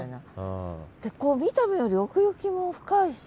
見た目より奥行きも深いし。